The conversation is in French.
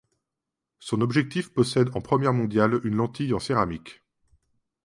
Son objectif possède en première mondiale une lentille en céramique.